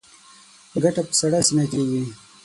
ګټه په سړه سینه کېږي.